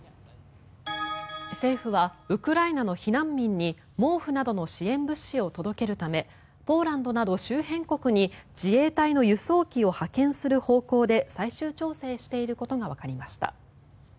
政府はウクライナの避難民に毛布などの支援物資を届けるためポーランドなど周辺国に自衛隊の輸送機を派遣する方向で最終調整していることがわかりました。